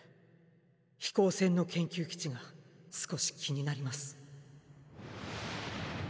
飛行船の研究基地が少し気になります。